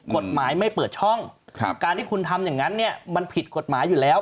กฎหมายไม่เปิดช่องการที่คุณทำอย่างนั้นเนี่ยมันผิดกฎหมายอยู่แล้ว